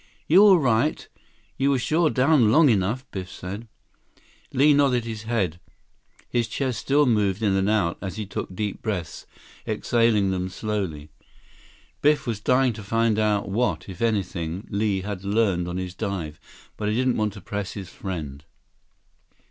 "You all right? You were sure down long enough!" Biff said. Li nodded his head, his chest still moved in and out as he took deep breaths, exhaling them slowly. Biff was dying to find out what, if anything, Li had learned on his dive, but he didn't want to press his friend.